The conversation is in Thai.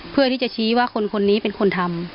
เพื่อที่จะชี้ว่าคนนี้เป็นคนทำ